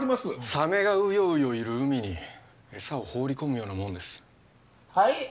サメがウヨウヨいる海に餌を放り込むようなものですはい？